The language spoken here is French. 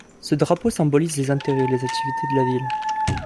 Ce drapeau symbolise les intérêts et les activités de la ville.